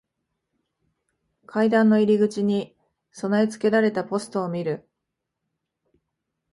階段の入り口に備え付けられたポストを見る。